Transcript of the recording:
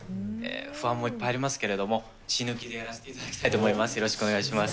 不安もいっぱいありますけど、死ぬ気でやらせていただきたいと思います。